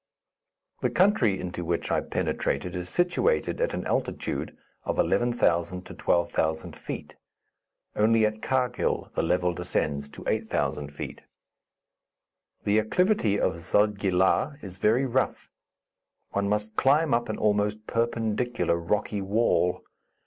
The country into which I penetrated is situated at an altitude of 11,000 to 12,000 feet. Only at Karghil the level descends to 8,000 feet. The acclivity of Zodgi La is very rough; one must climb up an almost perpendicular rocky wall.